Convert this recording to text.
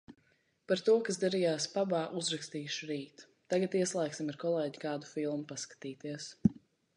Par to, kas darījās pabā, uzrakstīšu rīt. Tagad ieslēgsim ar kolēģi kādu filmu paskatīties.